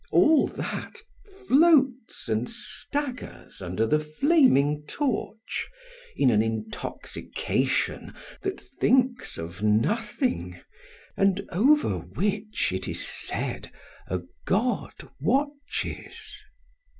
All that floats and staggers under the flaming torch in an intoxication that thinks of nothing, and over which, it is said, a god watches.